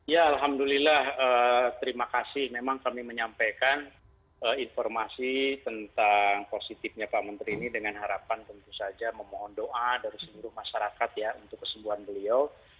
ya alhamdulillah terima kasih memang kami menyampaikan informasi tentang positifnya pak menteri ini dengan harapan tentu saja memohon doa dari seluruh masyarakat ya untuk kesembuhan beliau